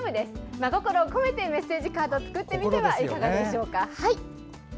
真心をこめてメッセージカード作ってみてはいかがでしょうか。